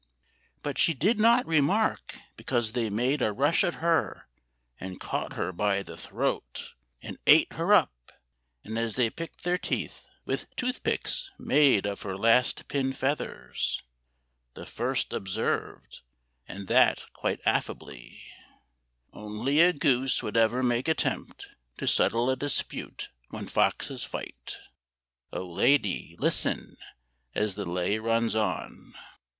But she did not remark, because they made A rush at her and caught her by the throat, And ate her up; and as they picked their teeth With toothpicks made of her last pin feathers, The first observed, and that quite affably, "Only a goose would ever make attempt To settle a dispute when foxes fight"— Oh, lady, listen as the lay runs on!